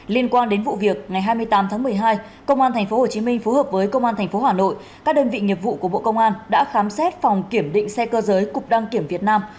liên quan đến vụ việc ngày hai mươi tám tháng một mươi hai công an tp hcm phối hợp với công an tp hà nội các đơn vị nghiệp vụ của bộ công an đã khám xét phòng kiểm định xe cơ giới cục đăng kiểm việt nam